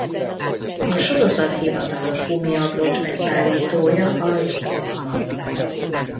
A sorozat hivatalos gumiabroncs beszállítója a Yokohama.